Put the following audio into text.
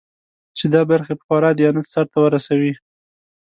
چې دا برخې په خورا دیانت سرته ورسوي.